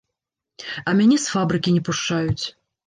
А мяне з фабрыкі не пушчаюць.